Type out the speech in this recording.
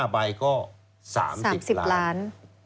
๕ใบก็๓๐ล้าน